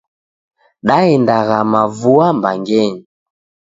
Daenda ghama vua mbangenyi.